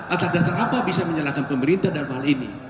akar dasar apa bisa menyalahkan pemerintah dalam hal ini